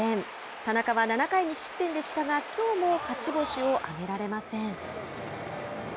田中は７回２失点でしたがきょうも勝ち星を挙げられません。